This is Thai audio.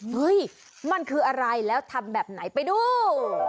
เฮ้ยมันคืออะไรแล้วทำแบบไหนไปดู